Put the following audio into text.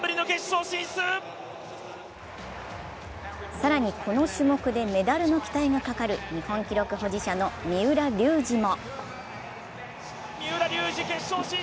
更に、この種目でメダルの期待がかかる日本記録保持者の三浦龍司も。